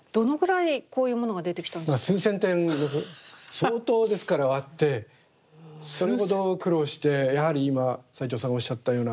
相当ですから割ってそれほど苦労してやはり今齊藤さんがおっしゃったような